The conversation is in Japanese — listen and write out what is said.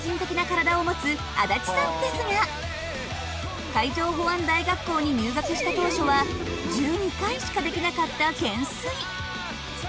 そんなですが海上保安大学校に入学した当初は１２回しかできなかった懸垂。